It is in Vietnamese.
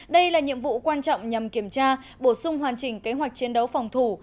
đây là nhiệm vụ quan trọng nhằm kiểm tra bổ sung hoàn chỉnh kế hoạch chiến đấu phòng thủ